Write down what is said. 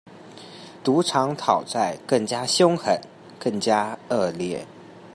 賭場討債更加兇狠、更加惡劣